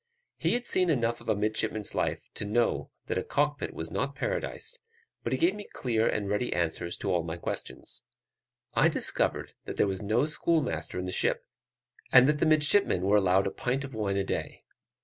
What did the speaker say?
He had seen enough of a midshipman's life, to know that a cockpit was not paradise; but he gave me clear and ready answers to all my questions. I discovered that there was no schoolmaster in the ship, and that the midshipmen were allowed a pint of wine a day.